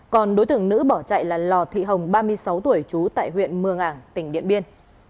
còn đối tượng nữ bỏ chạy là lò thị hồng ba mươi sáu tuổi trú tại huyện mường ảng tỉnh điện biên